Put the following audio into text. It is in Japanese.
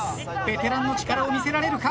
ベテランの力を見せられるか？